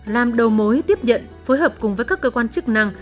làm đầu mối tiếp nhận phối hợp cùng với các cơ quan chức năng